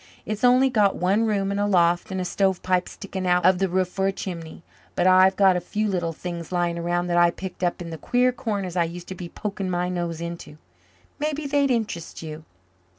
It's only got one room and a loft and a stovepipe sticking out of the roof for a chimney. But I've got a few little things lying around that I picked up in the queer corners I used to be poking my nose into. Mebbe they'd interest you."